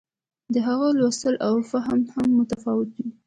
د هغه لوستل او فهم هم متفاوت وي.